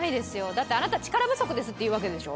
だって「あなた力不足です」って言うわけでしょ。